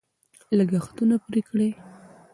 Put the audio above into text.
لګښتونه پرې کړي.